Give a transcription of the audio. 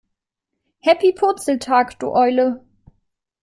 Happy Purzeltag, du Eule!